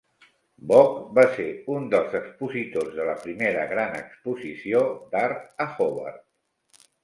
Bock va ser un dels expositors de la primera gran exposició d'art a Hobart.